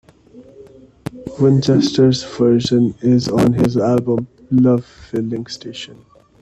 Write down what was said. Winchester's version is on his album "Love Filling Station".